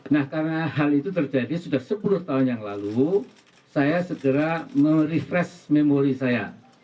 nah karena hal itu terjadi sudah sepuluh tahun yang lalu saya segera merefresh memori saya